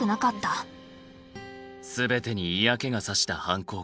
全てに嫌気がさした反抗期。